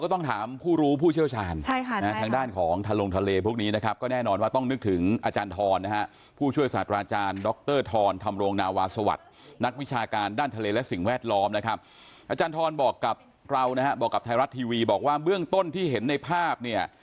ต้องตรวจก่อนต้องรู้ก่อนว่าของแท้ของจริงไหม